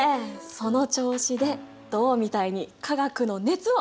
その調子で銅みたいに化学の熱を伝えていこう！